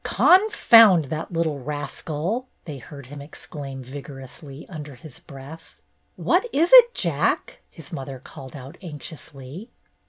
"Confound that little rascal!" they heard him exclaim vigorously under his breath. "What is it. Jack?" his mother called out anxiously.